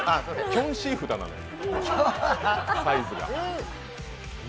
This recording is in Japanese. キョンシー札なのよ、サイズが。